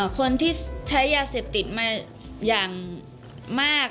คนที่ใช้ยาเสพติดมาอย่างมาก